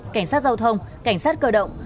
cảnh sát giao thông cảnh sát cơ động